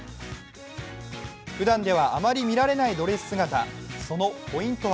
ふだんではあまり見られないドレス姿、そのポイントは？